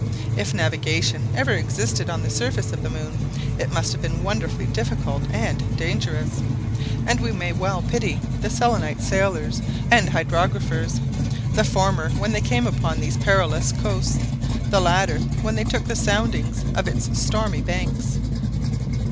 If navigation ever existed on the surface of the moon, it must have been wonderfully difficult and dangerous; and we may well pity the Selenite sailors and hydrographers; the former, when they came upon these perilous coasts, the latter when they took the soundings of its stormy banks.